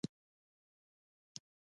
مصنوعي ځیرکتیا د باور نوې بڼې رامنځته کوي.